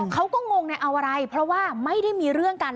งงเอาอะไรเพราะว่าไม่ได้มีเรื่องกัน